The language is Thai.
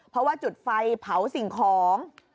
เพราะว่าจุดไฟเผาสิ่งของ